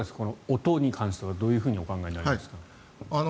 音に関してはどういうふうにお考えになりますか？